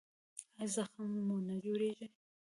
ایا زخم مو نه جوړیږي؟